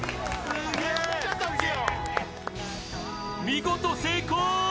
見事成功！